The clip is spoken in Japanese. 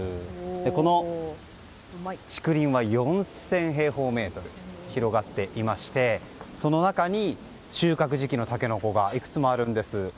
この竹林は４０００平方メートル広がっていましてその中に収穫時期のタケノコがいくつもあるんです。